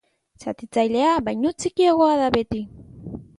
Zatitzailea baino txikiagoa da beti.